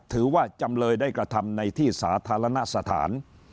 จำเลยได้กระทำในที่สาธารณสถาน